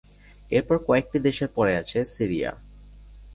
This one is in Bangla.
এরপর কয়েকটি দেশের পরে আছে সিরিয়া।